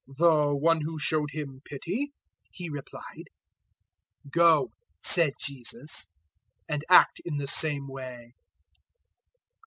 010:037 "The one who showed him pity," he replied. "Go," said Jesus, "and act in the same way."